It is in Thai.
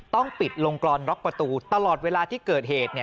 ต้องปิดลงกรอนล็อกประตูตลอดเวลาที่เกิดเหตุ